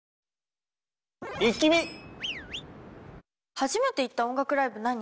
初めて行った音楽ライブ何？